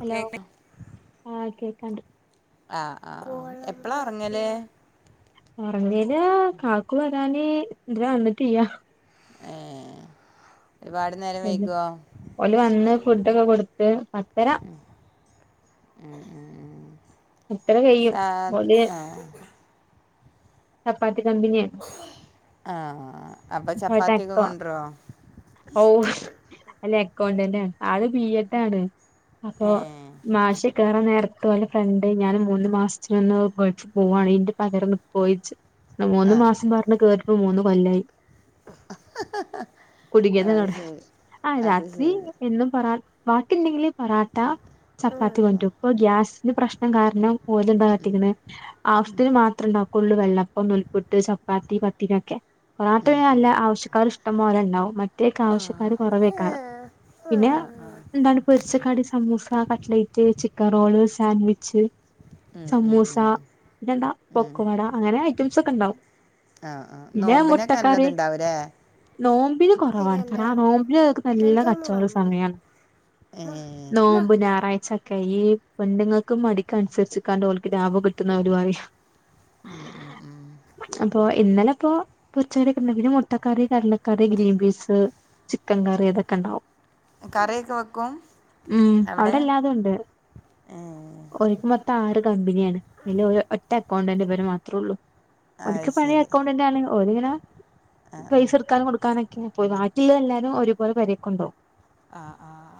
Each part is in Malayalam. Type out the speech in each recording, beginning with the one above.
ഹലോ കേക്ക് ആ കേക്കണ്ട ആഹ് ആഹ് എപ്പളാ ഒറങ്ങല് ഒറങ്ങല് കാക്കു വരാന് ഇത്വരെ വന്നിട്ടില്ല്യ ഏഹ് [unintelligible] ഓല് വന്ന് ഫുഡൊക്കെ കൊടുത്ത് പത്തര ഉം ഉം ഉം പത്തര കഴിയും സാധ് ഓല് ആഹ് ചപ്പാത്തി കമ്പിനിയാണ് ആഹ് അപ്പൊ ചപ്പാത്തിയൊക്കെ കൊണ്ടരോ [unintelligible] ഓ അല്ല അക്കൗണ്ടന്റാണ് ആള് ബി എഡാണ് അപ്പൊ ഏഹ് മാഷ് കേറാൻ നേരത്തെ ഒലെ ഫ്രണ്ട് ഞാൻ മൂന്ന് മാസത്തിനൊന്ന് പോവാണ് ഇന്റെ പകരത്തിനു നി ക്കോയിച്ച് മൂന്ന് മാസം പറഞ്ഞു കേറിപ്പോ മൂന്ന് കൊല്ലായി ങ്ങ ഹ ഹ കുടികിയതോടെ ആ് രാത്രി ശരി എന്നും പൊറ ട്ട ബാക്കിണ്ടെങ്കില് പൊറോട്ട ചപ്പാത്തി കൊണ്ടരും ഇപ്പൊ ഗ്യാസിന്റെ പ്രശ്നം കാരണം ഓലെന്താ കാട്ടിക്കണത് ആവശ്യത്തിന് മാത്രം ഉണ്ടാക്കും കു ള് വെള്ളപ്പം നുൽപ്പുട്ട് ചപ്പാത്തി പത്തിരി യൊ ക്കെ ഇപ്പൊ ഉം ഉം നല്ല ആവശ്യക്കാർ ഇഷ്ടം പോലെ ഉണ്ടാവും മറ്റേൊക്കെ ആവശ്യക്കാർ ആഹ് കുറവേയ്കാരം ആഹ് പിന്നെ ആഹ് എന്താണ് പൊരി ച്ചക്കാടി samosa cutlet chicken roll sandwich ഉം ഉം സമൂസ ഉം പിന്നെ ന്താ പൊക്കവാട അങ്ങനെ ഐറ്റംസ് ഒക്കെ ഉണ്ടാവും ആഹ ആ് നോമ്പിനൊക്കെ നല്ലത്ണ്ടാവും ല്ലേ നോമ്പി ന് കുറവാണ് കാരണം ആ നോമ്പിന അതൊനല്ല കച്ചവട സമയാണ് ങേ ഇൻമ്മ ഞായറാഴ്ചൊക്കെ ഈ പെണ്ണ്ങ്ങൾക്ക് മടിക്ക അനുസരിച്ച് കാണ്ട് ക്ക് ലാഭം കിട്ടുന്ന പരിപാടി യാ ഉം ഉം ഉം അപ്പൊ ഇന്നല ഇപ്പോ പ്പോ ഉച്ച വരേക്കെനിന്ന് പിന്നെ മുട്ടക്കറി കടലക്കറി ഗ്രീൻ പീസ് ചിക്കൻ കറി അതൊക്കെ ഉണ്ടാവും കറി യൊക്കെ വെക്കും അവിടെ ഏ ഒരുക്ക് മൊത്തം ആറ് കമ്പനിയാണ് അതി ഒറ്റ അക്കൗണ്ടന്റ് ഇവ ര് മാത്രേള്ളൂ ഒല് അത് ക്ക് പയേ ശരി അക്കൗണ്ടിന്റെണ് ഒലി ങ്ങന പൈസ കൊക്കാനും കൊടുക്കാനൊക്കെ പോയി ബാക്കിയായാൽ എല്ലാവും ഒരുപോെ ലെ പെ രൊക്കെണ്ടോവും ആ ആഹ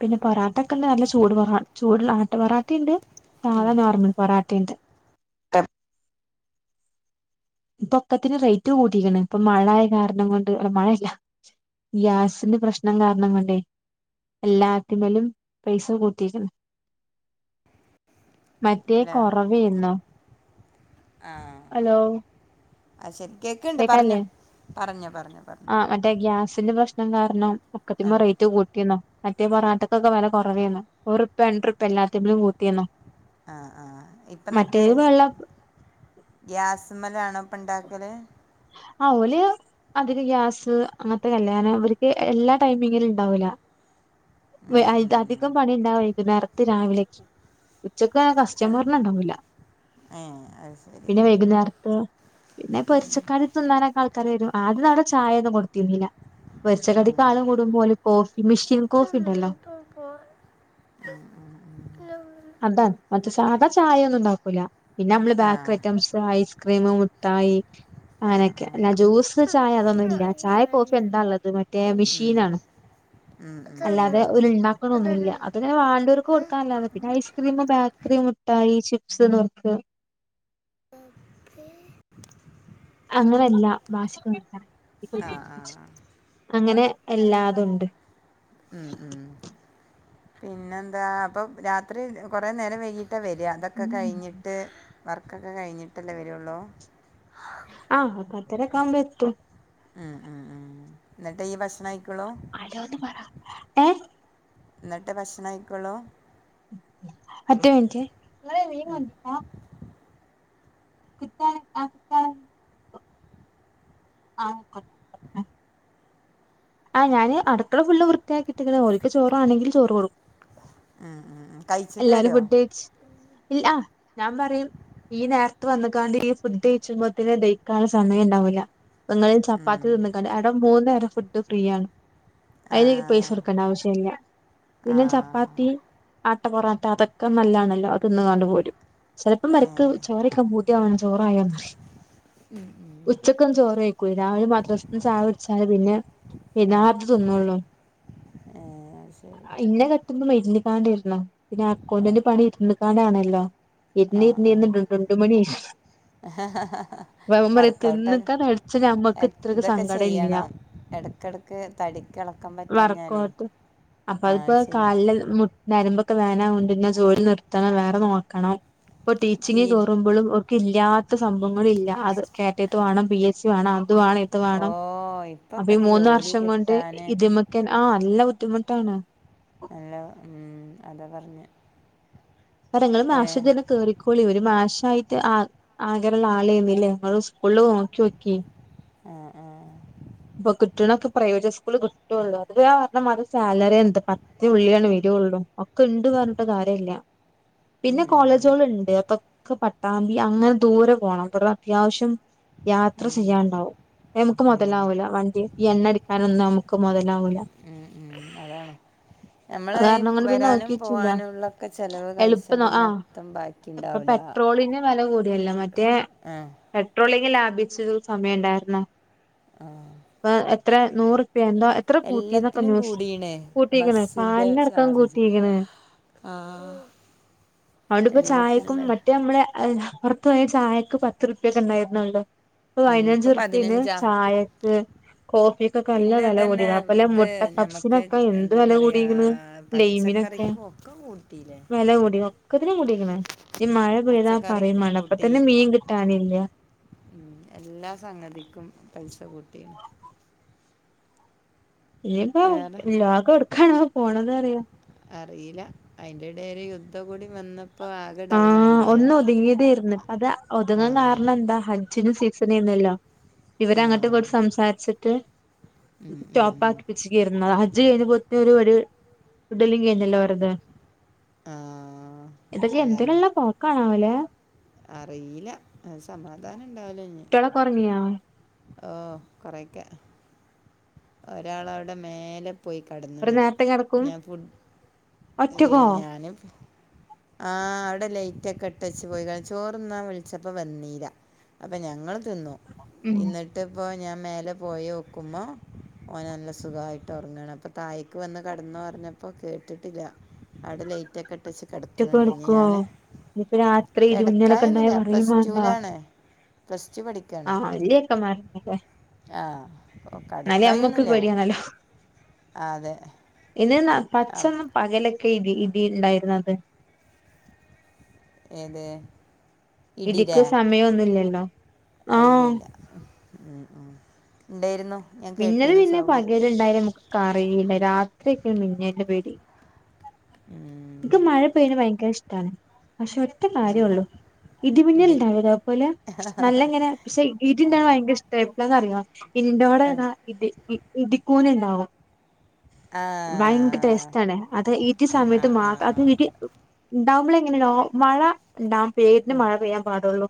പിന്നെ പൊറാട്ട ഒക്കെ ഉണ്ട് നല്ല ചൂട് പൊറാട്ട ചൂട് ആട്ട പൊറട്ടുണ്ട് സാധ നോർമൽ പൊറാട്ടയുണ്ട് ടെൻ ഇപ്പൊക്കത്തിന് റേറ്റ് കൂടിക്കണ് ഇപ്പൊ മഴയ കാരണം കൊണ്ട് മഴയില്ല ഗ്യാസിന്റെ പ്രശ്നം കാരണം കൊണ്ടേ എല്ലാറ്റി മലും പൈസ കൂട്ടിയിക്കുണ് മറ്റേ ഹലോ കുറവെന്നു ആഹ ഹലോ അത് ശരി കേൾക്കു കേക്കണ ല്ലേ ആ മറ്റേ ഗ്യാസിന്റെ പ്രശ്നം കാരണം ആ ഒക്കത്തിമേ റേറ്റ് കൂട്ടിക്കുണ് മറ്റേ പൊറാട്ടക്കൊക്കെ വില കുറവേന്നു ഒരുർപ്യ രണ്ടുർപ്യ പ്പ എല്ലാത്തിനും കൂട്ടി കുന്ന് ആ ആ ഇപ്പം എന്നിട്ട് വെള്ളം ഗ്യാസ് മേ ലാ ണോ ഇപ്പം ഉണ്ടാക്കൽ ആഹ്ഓല് അതിക ഗ്യാസ് അങ്ങനത്തെ കല്യാണം ഇവർക്ക് എല്ലാ ടൈമിങ്ങിലും ഉണ്ടാവൂല്ല വ ഉം അ യ് ഉം താ ഉം അതിക്കം പണി ഉണ്ടാവവൈകു നേരത്ത് രാവിലെക്കെ ഉച്ചക്ക കസ്റ്റമറിന ഉണ്ടാവൂല്ല ഏ അത് ശരി പിന്നെ വൈകുന്നേരത്ത് പിന്നെ പൊരിച്ച തി ന്നാനൊക്കെ ആൾക്കാര് വരുംആദ്യ മൊന്നും അവിടെ ചായയൊന്ന് കൊടുത്തിരുന്നില്ല പൊരി ച്ച കടിക്ക് ഉം ആളം കൂടുംബോ ല് ല കോഫി മിഷീൻ കോഫി ഉണ്ടല്ലോ പ്പോൾ [unintelligible] അതാണ് മറ്റേ സാധാ ചായയ ന്നും ഉണ്ടാക്കൂല പിന്നെ അമ്മള് ആ ബാക്ക ഐറ്റംസ് ഐസ്ക്രീം മുട്ടായി. ആ ആ ഉം അനൊക്കെ ഉം അല്ല ഉം ജ്യൂസ് ചായ അതൊന്നു ഇല്ല. ചായ കോഫി എന്താ ള്ളത് മറ്റേ മിഷീൻ ആണ്. അല്ലാതെ ഓല് ഇണ്ടാക്ക്ണൊന്നുല്ല. അപ്പ ഉം പിന്നെ വാണ്ട്യാേർക്ക് കൊടുക്കാ അല്ലാതെ. ഐസ്ക്രീമും ബേക്കറി മുട്ടായി ചിപ്സ് നുർക്ക്. അങ്ങനെല്ല വാഷിക്ക ആ [unintelligible] ആ അങ്ങനെ എല്ലാതുണ്ട് ഉം ഉം പിന്നെന്താ അപ്പം രാത്രി കൊറേ നേരം വൈകിട്ടാ വര ഇതൊക്കെ കഴിഞ്ഞിട്ട്. വർക്കൊക്കെ കഴിഞ്ഞിട്ടല്ലേ വരൊള്ളൂ ആഹ് പത്തര കാവുമ്പെത്തും ഉം ഉം ഉം ഇന്നട്ടെ ഈ ഭക്ഷണം കഴി ക്കൊള്ളു. അലോന്ന് പറ ഏഹ് ഇന്നട്ടെ ഭക്ഷണം കഴിക്കൊളൂ ഒറ്റ മിൻറ്റെ [unintelligible] കത്ത ആ കത്ത [unintelligible] ആഹ് യ്ക്കോട്ടെ- ആഹ് ഞാന് അടുക്കള ഫുള്ള് വൃത്തിയാക്കിട്ട്ക്ക്ണ് ഓൽക്ക് ചോറാണെങ്കില് ചോറ് കൊടുക്കും. ഹ് എല്ലാരും ഫുഡ് കഴിച് ഇല്ല ഞാൻ പറയും. ഈ നേര്ത്ത് വന്ന്ക്കാണ്ട് ഈ ഫുഡ് കയിച്ചുമ്പോത്തിന് ദയിക്കാൻള്ള സമയം ഇണ്ടാവൂല്ല. പ്പങ്ങളിൽ ഉം. ചപ്പാത്തി തിന്ന്ക്കാണ്ട് അട മൂന്നേരം ഫുഡ് ഫ്രീ ആണ് ആ അയ്ല്ക്ക് പൈസ കൊട്ക്കണ്ട ആവശ്യല്ല. ആ പിന്നെ ചപ്പാത്തി. ആട്ട പൊറാട്ട അതൊക്കെ നല്ലാണല്ലോ. അത് തിന്ന്ങ്ങാണ്ട് പോരും. ചെലപ്പം ഏ മരക്ക് ചോറെയ്ക്കാൻ പൂത്യാട്ടവും ചോറായോ [unintelligible] ഉം ഉം ഉച്ചക്കൊന്നു ചോറെയ്‌ക്ക്വാ. രാവിലെ മദ്രസ്ന്ന് ചായൊട്ച്ചാതെ പിന്നെ യ നാർത്ഥ തിന്നൊള്ളൂ. ഏ അത് ശരി ഇന്നെ കട്ടുമ്പോ മരുന്നിക്കാണ്ടെ ണൊ അക്കൗണ്ടന്റെ പണി ഇരുന്ന്ക്കാണ്ടാണല്ലൊ. ഇര്ന്ന് ഇര്ന്ന് ബന്ത്രണ്ട് മണി ആയി. ഹ ഹ ഹ വർക്കഔട്ടെ തിന്ന്ക്കാൻ പഠിച്ച എ ഞമ്മക്ക് [unintelligible] ഇത്രക്ക് ഇതൊക്കെ സങ്കടം ഇല്ല ചെയ്യണം. എടക്കെടക്ക് തടിക്ക് എളക്കം പറ്റാഞ്ഞാലേ. അപ്പ ആ അഹ്പ്പ ചെയ്യ് കാലില് മു നെരമ്പൊക്കെ വേന ആവ്ണ്ട്. പിന്നെ ജോലി നിർത്തണം. വേറെ നോക്കണം. ഇപ്പൊ ടീച്ചിങ്ങ് തീരെ കേറുമ്പളും ക്കില്ലാത്ത സംഭവങ്ങളില്ല. അത് കേറ്റ യ്ത്ത് വേണം പി എസ് സി വേണം അത് വേണം. ത്ത് ഓ വാണം. അപ്പ ഇപ്പൊക്കെ ഈ ഒരു മൂന്ന് ജോലി വർഷം കൊണ്ട് കിട്ടാന് ഇതിമക്കൻ ആഹ് നല്ല ബുദ്ധിമുട്ടാണ്. എല്ല ഉം അത പറഞ്ഞെ. വരങ്ങളും ഏ മാശജനെ [unintelligible] കേറിക്കോളി. ഒരു മാശായി ആ ആഗ്രഹള്ള ആളേന്നീലെ. ഇങ്ങള് സ്കൂൾള് നോക്ക്യോക്കി. ഏഹ് ഏഹ് ഇപ്പൊ കിട്ട്ണൊക്കെ പ്രൈവറ്റ് സ്കൂള് കിട്ടൊള്ളു. അത് കാര്ണം അത് സാലറി എന്ത് പ തുള്ളിയാണ് വരൊള്ളു. ഒക്കെ ഇണ്ട് പറഞ്ഞിട്ട് കാര്യല്ല. ഉം പിന്നെ കോളേജോള്ണ്ട് അപ്പൊ ക്ക് പട്ടാമ്പി അങ്ങനെ ദൂരെ പോണം. ഇവട്ന്ന് അത്യാവശ്യം. യാത്ര ഉം ചെയ്യാണ്ടാവും. അത്. നമുക്ക് ഉം മൊതലാവൂല. വണ്ടി ഈ എണ്ണ അടിക്കാനൊന്നും നമുക്ക് മൊതലാവൂല്ല. ഉം ഉം അതാണ് നമ്മളെ അത് ഈ കാരണം കൊണ്ട് പിന്നെ വരാനും നോക്കിട്ടില്ല പോവാനുംള്ളൊക്കെ ചെലവ് കഴിച്ച എളുപ്പം ആ പിന്നെ ത്തം ഇപ്പൊ ബാക്കിണ്ടാവുല പെട്രോളിന് വെല കൂടിയല്ലോ മറ്റേ ആഹ് പെട്രോളിങ് ലാഭിച്ചത് സമയം ഉണ്ടായിരുന്ന ആഹ് പ്പ എത്ര നൂറുപ്യ എന്തോ എത്ര കൂട്ടിന്നൊക്കെ എല്ലത്തിനും ന്യൂസ് കൂടീണ് കൂട്ടിക്കണ് ബസിന്റെ പാലിനടക്കം ചാർജ് കൂട്ടിക്കണ് ആഹ് അ ഓണ്ട് ഇപ്പ ചായക്കും മറ്റേ നമ്മള് പുറത്ത് പോയ ചായക്ക് പത്ത് റുപ്യൊക്കെ ഉണ്ടായിരുന്നള്ളോ ഇപ്പൊ ഉം പതിനഞ്ച് റുപ്പ്യന് പതിനഞ്ചാ ചായക്ക് കോഫിക്കൊക്കെ നല്ല പിന്നെ വില ഇതന്നെ കുടിക്കണം അപ്പൊല്ല ഇത് മുട്ട ഞമ്മക്ക് പപ്സിനൊക്കെ എന്ത് എന്താ വില പറയാ കൂടിക്കണ് ലെയിമിൻ ഒക്കെ പച്ചക്കറിക്കും കൂട്ടിയില്ലേ വേല കുടി ഒക്കത്തിന് കൂടിക്കണെ ഈ മഴ പെയ്താ പച്ചക്കറിക്കും പറയുമേണ്ട അപ്പൊ കൂട്ടി തന്നെ മീൻ കിട്ടാനില്ല ഉം എല്ലാ സംഗതിക്കും പൈസ കൂട്ടീണ് ഇനിയിപ്പോ വേറെ ലോകം എടുക്കണ പോണതറിയ അറിയില്ല അയിന്റെ ഇട ഒരു യുദ്ധം കൂടി വന്ന ആ ഒന്ന് ഒതുങ്ങിയതന്ന് അത് ആ ഒതുങ്ങാൻ കാരണം എന്താ അച്ചന് സീസണ യുന്നല്ലോ ഇവര ആ അങ്ങോട്ട് കൊറച്ച് സംസാരിച്ചിട്ട് ഉം, ഉം, സ്റ്റോപ്പ് ഉം. ആക്കിപ്പിച്ചന്ന അജ്ജ് കഴിഞ്ഞ പോത്ത ഒരു വ ഫഡലും കഴിഞ്ഞില്ലോ വെറുതെ ആഹ് ഇതക്കെ എന്തിനുള്ള പോക്കാണാവലെ അറിയില്ല സമാധാനം ഉണ്ടാവലോ ട്ടള കുറങ്ങിയാ ആ കുറയ്ക്ക ഒരാളവിടെ മേലെ പോയി അവര് കടന്നണ് നേരത്തെ കെടക്കും ഞാൻ ഫുഡ് എഹ് ഒറ്റക്കോ ഞാനും ആ അവിടെ ലൈറ്റ് ഒക്കെ ഇട്ട വച്ച് പോയി കള ചോറന്നാ വിളിച്ചപ്പോ വന്നീല അപ്പൊ ഞങ്ങൾ ഉം തിന്നുന്നട്ട് ഇപ്പോ ഞാൻ മേലെ പോയോക്കുമ്പോ ഓൻ നല്ല സുഖായിട്ട് ഉറങ്ങാണ് അപ്പൊ തായ്ക്ക് വന്ന് കടന്നു പറഞ്ഞപ്പോ കേട്ടിട്ടില്ല അവിടെ ലേറ്റ് ഒക്കെ ഇട്ടച് ഒറ്റക്ക് കിടക്കണണ്ടങ്ക കെടക്കോ ഞാൻ ഇനിപ്പ രാത്രി ഇടിമിന്നലൊക്കെ ഇണ്ടായ കിടക്കായിന്നില്ല പറയും പ്ലസ് വാണ്ട ടൂലാണ് പ്ലസ്ടു പഠിക്കാ ആഹ് ഇല്ലയൊക്കെ മാരല്ലേ ആ ഓൻ കടക്കായിന്നുല്ല പേടിയാണല്ലോ അതെ ഇന്ന് ന അഹ് പച്ചൊന്നും പകലൊക്കെ ഇ ഇതി ഉണ്ടായിരുന്നു അത് ഏതേ ഇടുക്ക് സമയമൊന്നുല്ലല്ലോ ആഹ് ഉം ഉം ഉം ഉണ്ടായിരുന്നു ഞാൻ മിന്നല് കേട്ടിരുന്നു പിന്നെ സൗണ്ട് പകൽ ഇണ്ടായാലും നമുക്ക് കറിയില്ല രാത്രിയൊക്കെയ മിന്നന്റെ പേടി ഇക്ക് മഴ പെയ്യണ ഭയങ്കര ഇഷ്ടാണ് പക്ഷെ ഇ കാര്യള്ളൂ ഇടിമിന്നിൽ ഇടി ഉണ്ടാവ അ അപോലെ നല്ല ഇങ്ങനെ പക്ഷെ വീട്ട ഇന്താണ് ഭയങ്ക ഇഷ്ടം എപ്പന്ന്റിയ ഇന്റോടെ ഇത് ഇതിക്കോനല്ലാവും ആ ഭയങ്കര ടേസ്റ്റ്ണ അത ഇത് ആ സമയത്ത് മാ ആ ആ അത് ഇ ഡാമില എങ്ങനെയോ മഴ ഡാം പെയ്യതിട്ട് മഴ പെയ്യാൻ പാടുള്ളൂ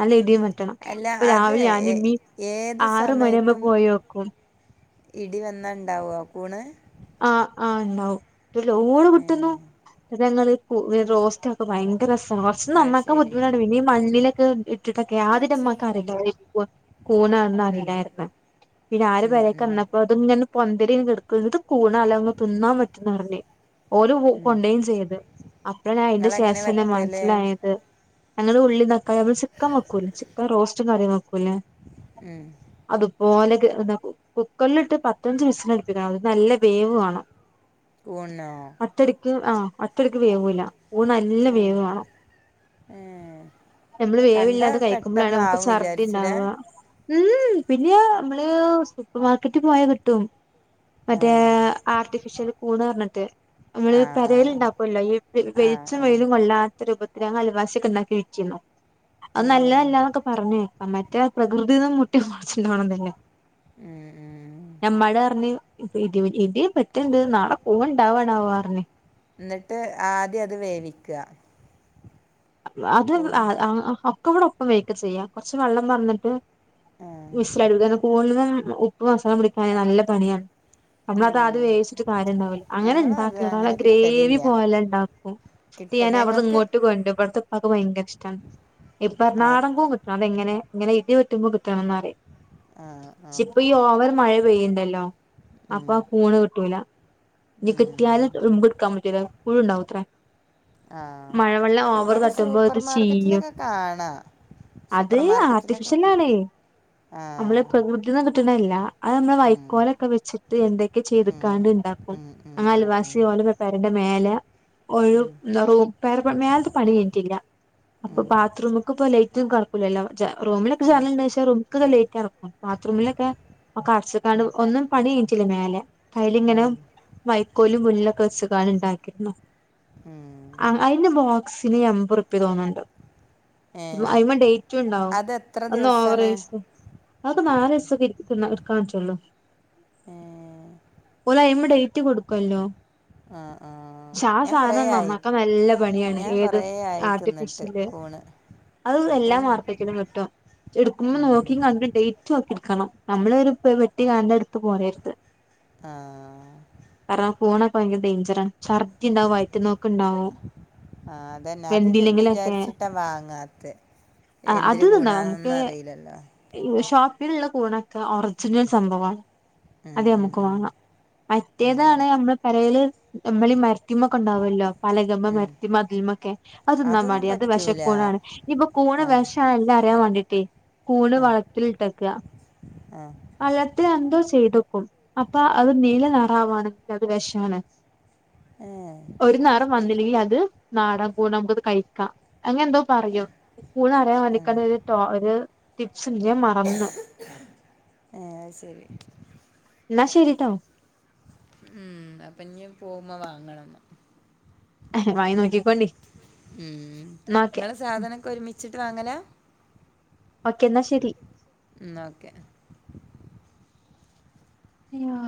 നല്ല ഇതിയും മറ്റും അല്ല അപ്പൊ അത് രാവിലെ ഏ- ഞാനീഇമ്മീ ഏത് ആറ മണിയാവുമ്പോ സമയത്തും പോയോ ഇടി വന്നാ ണ്ടാവോ കൂണ് ആഹ് ആഹ് ണ്ടാവും ലോടെ ഏ, കിട്ടുന്നു ന്നട്ട് ഞങ്ങള് റോസ്റ്റ് പ്പൊ ഭയങ്കരസമാണ് കുറച്ച അത് നന്നാക്കാൻ ശരി ബുദ്ധിമുട്ടാണ് പിന്നീഈ മണ്ണിലൊക്കെ ഇട്ടിട്ടൊക്കെ ഉമ്മച്ചി യാതരുമ്മക്കറീല കൂനാന്ന് അറിയില്ലായിരുന്ന് പിന്നെ ആര് വരെക്കന്നപ്പോ അതും ഇങ്ങെ പൊന്തതിരിന്ന് കടുക് ഇത്‌ കൂണാലോ തിന്നാൻ പറ്റന്നർഞ് ഓല് കൊണ്ടയും ചെയ്ത് അപ്പഴ അയ്ന്റെ നിങ്ങളെങ്ങനെ ശേഷംന്നെ വെക്കല് മനസ്സിലായത് ഞങ്ങള്ുട ഉള്ളി തക്കാ ചിക്കൻ വെക്കൂലേ ചിക്കൻ റോസ്റ്റും കറിയും വക്കൂലേ ഉം അതുപോലെ ക് ന്നാ കുക്കറിലിട്ട് പത്തഞ്ച് വിസിലടുപ്പിക് അത് നല്ല വേവ് വാണം കൂൻനെ അറ്റടിക്ക് ആഹ് അത്തടിക്ക് വേവൂല കൂൺ നല്ല ഏ, വേവാണം. ഏ. നമ്മള് കണ്ട വേവില്ലാതെ കഴിക്കുമ്പോളാണ് നമുക്ക് പെട്ടെന്നാവും ഛർദി വിചാരിച്ചില്ലേ ണ്ടാവ. ഉം പിന്നെ നമ്മള് സൂപ്പർമാർക്കറ്റിൽ പോയാ കിട്ടും. റ്റേ ആഹ് ആർട്ടിഫിഷ്യൽ കൂന്ന്റഞ്ഞിട്ട്. മ്മള് ആഹ് പരെൽ ആഹ് ണ്ടാക്കല്ലോ ഈ ആഹ് വെലിച്ചും ആഹ് വെയിലും കൊള്ളാ ത്ത രൂപത്തിര ഞങ അൽവാസിക്കെണ്ടാക്കി വിറ്റിരുന്നു. അഹ് ഏഹ് നല്ലേല്ലന്നൊക്കെ പറഞ്ഞക്കാം മറ്റേ പ്രകൃതിന്ന് മു [unintelligible] ഉം ഉം ഞമ്മട് പറഞ് ഇപ്പൊ ഇടി ഇടി പറ്റണ്ട് നാളെ ക്കൂവ് ണ്ടാവണാവോ അറിഞ് ന്നട്ട് ആദ്യം അത് വേവിക്ക. അത് അഹ് അഹ് ഒക്ക കൂടെ ഒപ്പം വേഇക്ക ചെയ്യാ കൊറച്ച് വെള്ളം പാർന്ന്ട്ട് ആഹ് മിസലടു കൂടുന്ന് ഉപ്പ് മസാല പിടിക്കാൻ നല്ല പണിയാണ്. നമ്മള അത് അത് ഏഹ് വേവിച്ചിട്ട് കാര്യം ഉണ്ടാവൂല അങ്ങനെ ഞങ്ങളത് ഇണ്ടാക്കല അങ്ങനെ ഗ്രേവി കിട്ടലില്ല പോല്ലണ്ടാക്കും. ട്ട് കിട്ട യ്യാൻ അവിട്ന്ന് ഞങ്ങൾക്ക് ഇങ്ങോട്ട് കൊണ്ടും. ഇവിടത്തെ പാക്ക് ഭയങ്കര ഇഷ്ടണ് ഇപ്പർ ആഹ് നാടൻ കും കിട്ട അതെങ്ങനെ ഇങ്ങനെ ഇടിവെട്ടുമ്പോ കിട്ടണംന്ന്റി ആഹ് ആഹ് ഷിപ്പ ഈ ഓവർ മഴ പെയ്യുണ്ടല്ലോ ഉം അപ്പൊ ആ കൂണ് കിട്ടൂല. ഇനി ഉം കിട്ടിയാലും എടുക്കാൻ പറ്റൂല്ല പുഴുണ്ടാവത്രേ ആഹ് മഴവെ ഇവിടെ സൂപ്പർമാർക്കറ്റിലൊക്കെ കാണാ. അത് ആർട്ടിഫിഷ്യൽ ആണേ നമ്മള് ആഹ് പ്രകൃതി ന്നൊ ട്ട്ണെല്ല അഹ് മ്മ ഉം വൈക്കോലൊക്കെ വെച്ചിട്ട് എന്തൊക്കെ ഉം ചെയ്തക്കാണ്ട് ഇണ്ടാക്കും ഉം ഉം അ ഉം അൽവാസ് ഉം തി ഓന്റെ പരന്റെ [unintelligible] ഇൻറ്റില്ല അപ്പൊ ഉം ബാത്റൂമ്ക്ക്‌ പൊ ലൈറ്റും കഴകൂലല്ലോ ച്ച റൂമിലൊക്കെ ചെലുണ്ട് ക്ഷെ റൂമ്ക്ല്ല ലേറ്റ് ആണ് പൊ ബാത്റൂമിലൊക്കെ ഒക്കെ അട്ച്കാണ്ട് ഒന്നും പണി കഴിഞ്ഞിട്ട്ല്ല മേലെ അയ്ല്ങ്ങനെ ഉം വൈക്കോലും പുല്ലൊക്കെ വെച്കാണ്ട് ഉണ്ടാക്കിരുന്നു ഉം അയ്ൻ മോ സിനി എമ്പർപ്യ തോന്നുണ്ട്. ഏഹ് അയ്മ ഡേറ്റ ഉണ്ടാവും അതെത്ര അന്ന് ദിവസാണ് ഓവറേജ് ങ്ങക്ക് നാലസ ഇട്ക്കാൻ പറ്റുള്ളൂ. ഏഹ് ഒലയ്മ ഡേറ്റി കൊടുക്കല്ലോ? ആഹ് ആഹ് ഷാ ഞാൻ കൊറേ സാനം ആയി നന്നക്കൻ നല്ല പണിയാണ്. ഞാൻ ഇത്‌ കൊറേ ആയി തിന്നിട്ട് ആർട്ടിഫിഷ്യല് കൂണ് അത് എല്ലാ കൂണ്ന്ന് മാർക്കറ്റിലും കിട്ടും. ചെ ഇടുക്കുമ്പോ ഉം നോക്കി ക ഡേറ്റ് നോക്കിടുക്കണം നമ്മള് ഒരു വെട്ടി കന്റെ ടുത്ത് പോരര്ത്. ആ കാരണംപോണ ടൈമില് ഡേഞ്ചറണ് ഛർദിണ്ടാവും വയറ്റ് നോക്ക്ണ്ടാവും. ആ അതന്നെ അത് വിചാരിച്ചിട്ടാ വാങ്ങാത്ത ആഹ് അത് എന്തിരു തിന്നാ നമുക്ക് കൂണൊന്നും അറിയില്ലല്ലോ. ഷോപ്പിലുള്ള കൂൺണൊക്കെ ഒറിജിനൽ സംഭവണ്. ഉം ഉം ഉം ഉം മറ്റേതാണ് നമ്മള് പരല് നമ്മള് ഈ മരത്തിമൊക്കെ ഉണ്ടാവുമല്ലോ പലകമ്മ ഉം മരത്തിമ്മ അതിലുമൊക്കെ? അത് തിനൻ അതൊന്നും പിടില അത് പറ്റൂല വിശക്കൂൺനണ് ഇനിപ്പൊ കൂൺ ആഹ് വിഷ ണ് ആ എല്ലാം അറിയാൻ വേണ്ടീട്ടേ. കൂൺന് ആഹ് വളത്തിൽഇട്ട്ക്ക. ആഹ് വള്ളത്തി എന്തോ ചെയ്തക്കും അപ്പ അത് നീല നിറാവാണെങ്കിൽ അത് വിഷണ്. ഏഹ് ഒരു നിറം വന്നില്ലെങ്കിൽ അത് നാടാൻ കൂൺണ്. അത് നമുക്ക് കഴി അങ്ങനെ എന്തോ പറയൂം കൂൺ അറിയാൻ ഏഹ് വേണ്ടിക്കണ്ടോ ഒരു ട്ടോ ഒരു ടിപ്സ്ട് ഞാൻ മറന്ന്. ആഹ് ശരി എന്ന ശരി ട്ടോ ഉം അപ്പൊ ഇനി പോവുമ്പോ വാങ്ങണം. ന്ന വാങ്ങി നോക്കിക്കോണ്ടി. ന്നഓക്കെ സാധനംമൊക്കെ ഒരുമിച്ചിട്ട് വാങ്ങല. ഓക്കേ എന്നാ ശരി. ഉം ന്ന ഓക്കെ [inaudible] ഉം